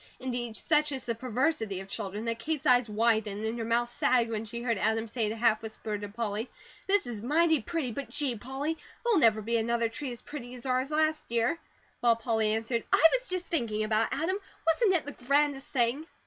Indeed, such is the perversity of children that Kate's eyes widened and her mouth sagged when she heard Adam say in a half whisper to Polly: "This is mighty pretty, but gee, Polly, there'll never be another tree as pretty as ours last year!" While Polly answered: "I was just thinking about it, Adam. Wasn't it the grandest thing?"